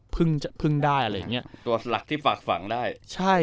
พึ่งได้อะไรแบบตัวหลักที่ฝักฝังได้